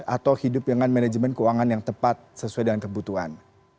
atau hidup dengan manajemen keuangan yang tepat sesuai dengan kebutuhan